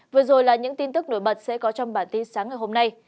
vừa rồi là những tin tức nổi bật sẽ có trong bản tin sáng ngày hôm nay